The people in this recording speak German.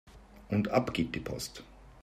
Und ab geht die Post!